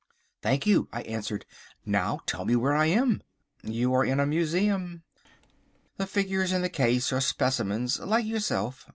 "Thank you," I answered. "Now tell me where I am?" "You are in a museum. The figures in the cases are specimens like yourself.